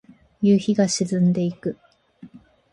夕日が沈んでいく。